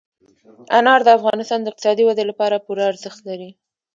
انار د افغانستان د اقتصادي ودې لپاره پوره ارزښت لري.